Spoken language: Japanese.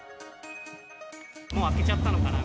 もう明けちゃったのかな